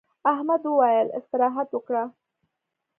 احمد وويل: استراحت وکړه.